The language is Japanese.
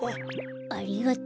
ありがとう。